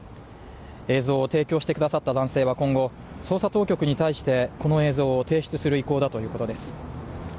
映像を提供してくださった男性は今後、捜査当局に対してこの映像を提出する意向だということです。